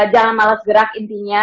jangan males gerak intinya